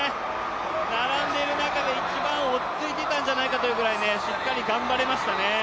並んでいる中で一番落ち着いていたんじゃないかというぐらいしっかり頑張れましたね。